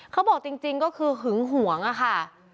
เขาบอกจริงก็คือหึงหวงอะค่ะ